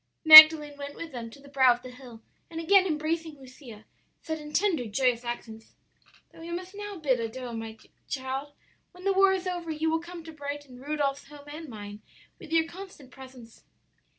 "Magdalen went with them to the brow of the hill, and again embracing Lucia, said in tender, joyous accents, 'Though we must now bid adieu, dear child, when the war is over you will come to brighten Rudolph's home and mine with your constant presence.'